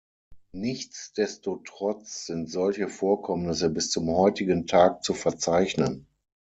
Nichtsdestotrotz sind solche Vorkommnisse bis zum heutigen Tag zu verzeichnen.